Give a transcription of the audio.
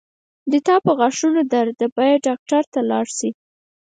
د تا پرغاښونو درد ده باید ډاکټر ته لاړ شې